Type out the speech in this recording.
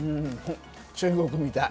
中国みたい。